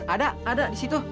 ada ada di situ